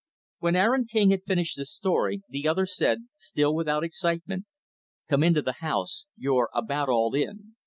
When Aaron King had finished his story, the other said, still without excitement, "Come into the house. You're about all in.